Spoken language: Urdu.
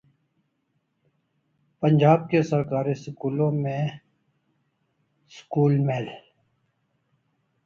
پنجاب کے سرکاری سکولوں میں سکول میل